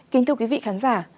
kính thưa quý vị khán giả